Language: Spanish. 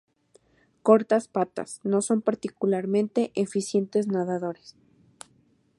Cortas patas, no son particularmente eficientes nadadores.